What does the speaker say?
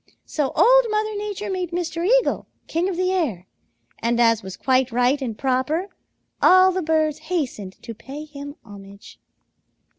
So Old Mother Nature made Mr. Eagle king of the air, and as was quite right and proper, all the birds hastened to pay him homage.